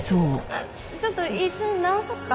ちょっと椅子直そうか？